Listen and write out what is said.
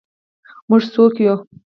موږ څوک یو؟